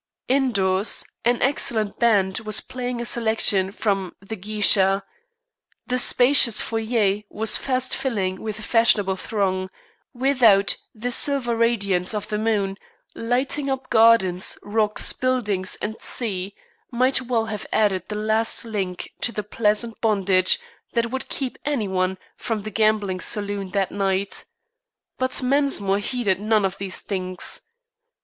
Indoors, an excellent band was playing a selection from "The Geisha." The spacious foyer was fast filling with a fashionable throng; without, the silver radiance of the moon, lighting up gardens, rocks, buildings, and sea, might well have added the last link to the pleasant bondage that would keep any one from the gambling saloon that night; but Mensmore heeded none of these things.